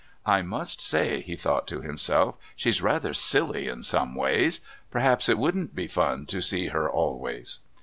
"I must say," he thought to himself, "she's rather silly in some ways. Perhaps it wouldn't be fun to see her always."